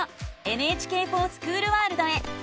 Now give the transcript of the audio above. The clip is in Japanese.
「ＮＨＫｆｏｒＳｃｈｏｏｌワールド」へ。